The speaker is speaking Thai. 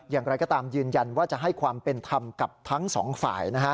อย่างไรก็ตามยืนยันว่าจะให้ความเป็นธรรมกับทั้งสองฝ่ายนะฮะ